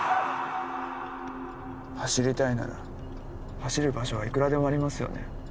走りたいなら走る場所はいくらでもありますよね